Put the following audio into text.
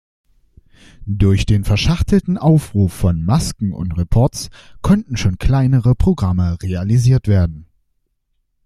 Durch den verschachtelten Aufruf von Masken und Reports konnten schon kleinere Programme realisiert werden.